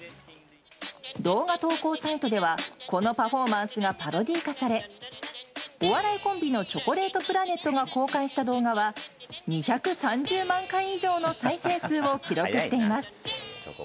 動画投稿サイトではこのパフォーマンスがパロディー化されお笑いコンビのチョコレートプラネットが公開した動画は２３０万回以上の再生数を記録しています。